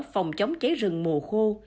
phòng chống cháy rừng mùa khô